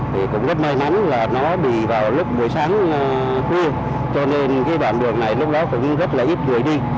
thì cũng rất may mắn là nó bị vào lúc buổi sáng khuya cho nên cái đoạn đường này lúc đó cũng rất là ít người đi